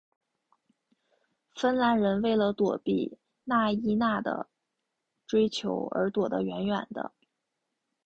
芬兰人为了躲避纳伊娜的追求而躲得远远的。